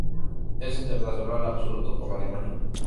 Es internacional absoluto con Alemania.